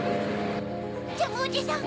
ジャムおじさん！